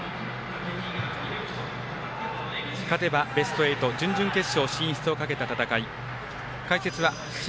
勝てばベスト８準々決勝進出をかけた戦い。